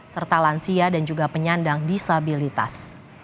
serta lansia dan juga penyandang disabilitas